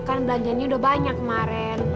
kan belanjanya udah banyak kemarin